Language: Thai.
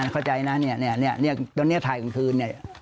ตอนนี้ถ่ายกลางคืน